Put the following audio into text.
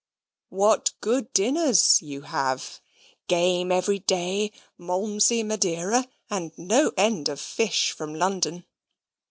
What good dinners you have game every day, Malmsey Madeira, and no end of fish from London.